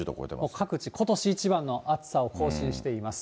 もう各地ことし一番の暑さを更新しています。